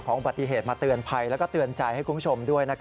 ของบริเศษมาเตือนไพ่แล้วก็เตือนใจให้คุณผู้ชมด้วย